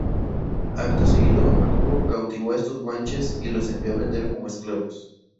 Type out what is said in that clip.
Acto seguido, Lugo cautivó a estos guanches y los envió a vender como esclavos.